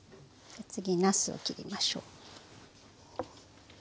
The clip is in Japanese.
次なすを切りましょう。